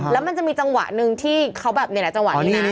แล้วมันจะมีจังหวะหนึ่งที่เขาแบบนี่แหละจังหวะนี้นะ